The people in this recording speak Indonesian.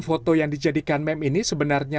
foto yang dijadikan meme ini sebenarnya